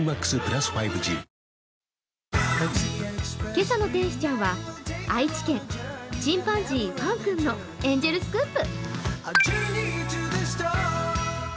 今朝の天使ちゃんは愛知県、チンパンジー、ファン君のエンジェルスクープ。